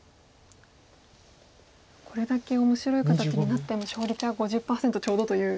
これだけ面白い形になっても勝率は５０％ちょうどという。